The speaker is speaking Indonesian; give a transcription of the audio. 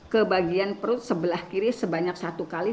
ke bagian perut sebelah kiri sebanyak satu kali